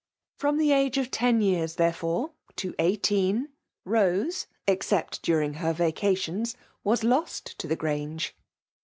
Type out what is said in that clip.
Ftom the age of ten years, therefore, to eighteen, Bose, except during her vacations, was lost to the Grange.